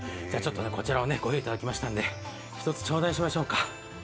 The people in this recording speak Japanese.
こちらをご用意いただきましたので１つ、頂戴しましょうか。